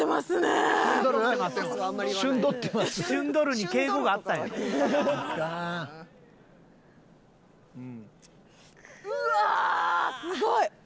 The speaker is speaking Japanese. すごい！